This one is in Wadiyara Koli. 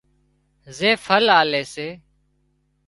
زي ڦل آلي سي